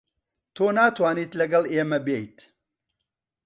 تۆ ناتوانیت لەگەڵ ئێمە بێیت.